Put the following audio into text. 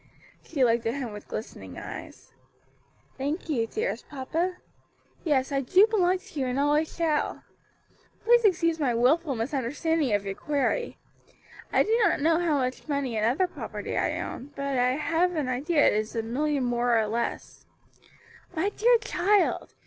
She looked at him with glistening eyes. "Thank you, dearest papa; yes, I do belong to you and always shall. Please excuse my wilful misunderstanding of your query. I do not know how much money and other property I own, but have an idea it is a million more or less." "My dear child!